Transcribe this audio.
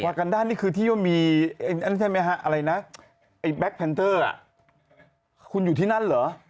วากันด้านี่คือที่ว่ามีแบ๊กแพนเตอร์คุณอยู่ที่นั่นเหรอ